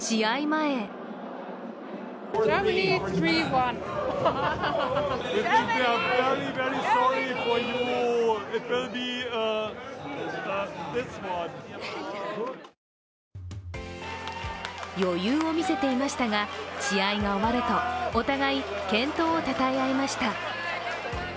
前余裕を見せていましたが、試合が終わるとお互い、健闘をたたえ合いました。